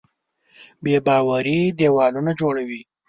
بېباوري دیوالونه جوړوي.